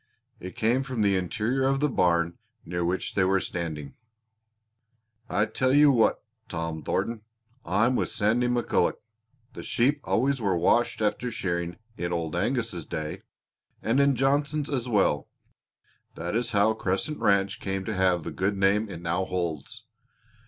It came from the interior of the barn near which they were standing. "I tell you what, Tom Thornton, I'm with Sandy McCulloch. The sheep always were washed after shearing in Old Angus's day, and in Johnson's as well. That is how Crescent Ranch came to have the good name it now holds.